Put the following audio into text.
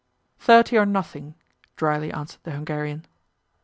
"Thirty or nothing," dryly answered the Hungarian.